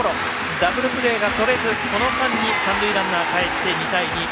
ダブルプレーがとれずこの間に三塁ランナーかえって２対２。